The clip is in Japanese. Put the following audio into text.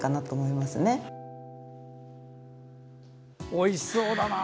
おいしそうだな。